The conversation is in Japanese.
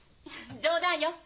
冗談よ。